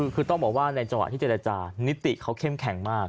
คือต้องบอกว่าในจังหวะที่เจรจานิติเขาเข้มแข็งมาก